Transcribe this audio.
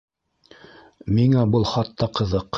Миңә был хатта ҡыҙыҡ.